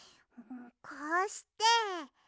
こうして。